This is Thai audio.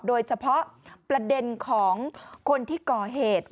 โดยเฉพาะประเด็นของคนที่ก่อเหตุ